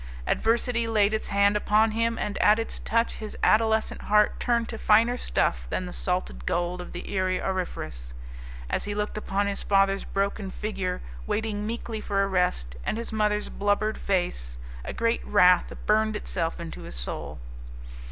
Adversity laid its hand upon him, and at its touch his adolescent heart turned to finer stuff than the salted gold of the Erie Auriferous. As he looked upon his father's broken figure waiting meekly for arrest, and his mother's blubbered face, a great wrath burned itself into his soul.